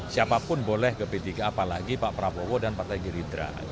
siapapun boleh ke p tiga apalagi pak prabowo dan partai gerindra